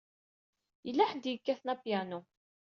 Yella ḥedd i yekkaten apyanu.